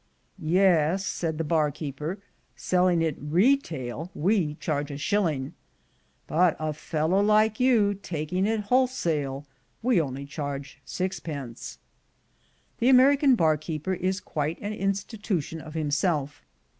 "Yes," said the bar keeper; "selling it retail we charge a shilling, but a fellow like you taking it wholesale we only charge sixpence./^ The American bar keeper is quite an institution of himself.